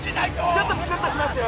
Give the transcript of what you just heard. ちょっとチクッとしますよ